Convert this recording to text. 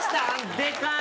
でかーい。